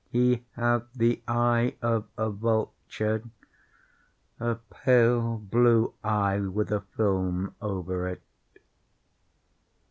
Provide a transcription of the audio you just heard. He had the eye of a vulture—a pale blue eye, with a film over it.